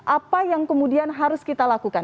apa yang kemudian harus kita lakukan